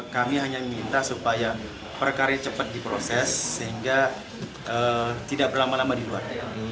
kami hanya minta supaya perkaranya cepat diproses sehingga tidak berlama lama di luar